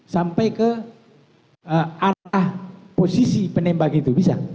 sampai ke arah posisi penembak itu bisa